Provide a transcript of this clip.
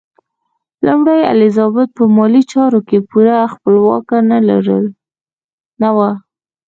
لومړۍ الیزابت په مالي چارو کې پوره خپلواکه نه وه.